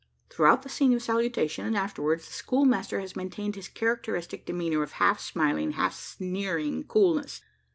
Throughout the scene of salutation, and afterwards, the schoolmaster has maintained his characteristic demeanour of half smiling, half sneering coolness.